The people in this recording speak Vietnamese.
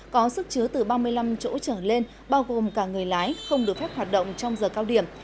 có sức chứa từ ba mươi năm chỗ trở lên bao gồm cả người lái không được phép hoạt động trong giờ cao điểm